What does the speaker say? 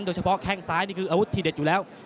โดยเฉพาะแค่งซ้ายนี่คืออาวุธที่เด็ดอยู่แล้ว